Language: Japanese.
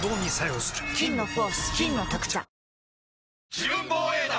自分防衛団！